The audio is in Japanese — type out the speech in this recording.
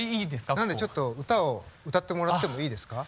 なのでちょっと歌を歌ってもらってもいいですか？